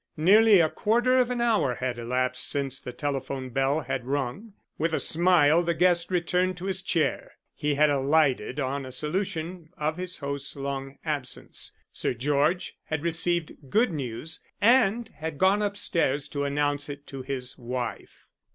Nearly a quarter of an hour had elapsed since the telephone bell had rung. With a smile the guest returned to his chair. He had alighted on a solution of his host's long absence: Sir George had received good news and had gone upstairs to announce it to his wife.